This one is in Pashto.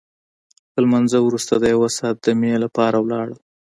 له لمانځه وروسته د یو ساعت دمې لپاره ولاړل.